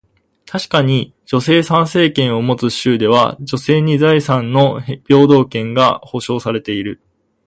確かに、女性参政権を持つ州では、女性に財産の平等権が保証されている。